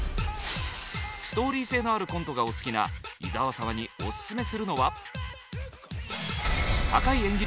ストーリー性のあるコントがお好きな伊沢様にオススメするのは。